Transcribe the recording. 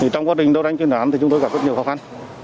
trong quá trình đấu đánh chuyên đoán thì chúng tôi gặp rất nhiều khó khăn